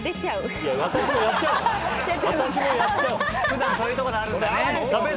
普段そういうところあるんだね。